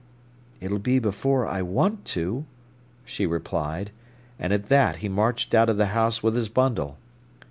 "It'll be before I want to," she replied; and at that he marched out of the house with his bundle.